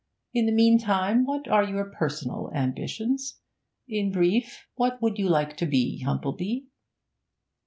In the meantime, what are your personal ambitions? In brief, what would you like to be, Humplebee?'